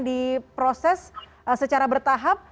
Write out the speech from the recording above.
diproses secara bertahap